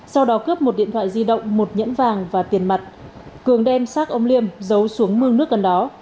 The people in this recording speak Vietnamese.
sau đó cướp một điện thoại di động một nhẫn vàng và tiền mặt cường đem xác ông liêm giấu xuống mương nước gần đó